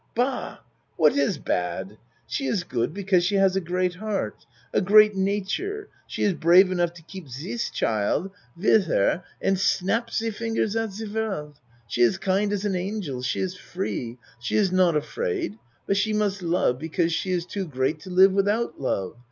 Bah! What is bad? She iss good because she has a great heart a great nature. She is brave enough to keep ziz child ACT I 17 her and snap ze fingers at ze world. She is kind as an angel she is free she is not afraid but she must love because she is too great to live without love.